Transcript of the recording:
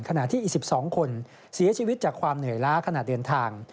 ขณะที่อีก๑๒คนเสียชีวิตจากความเหนื่อยล้าขณะเดินทาง